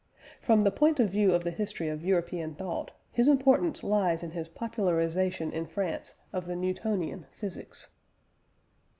From the point of view of the history of European thought his importance lies in his popularisation in France of the Newtonian physics.